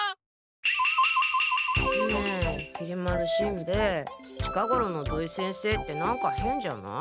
ねえきり丸しんべヱ近ごろの土井先生って何かへんじゃない？